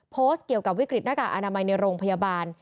โพสต์เกี่ยวกับวิกฤตหน้ากากอนามัยในโรงพยาบาล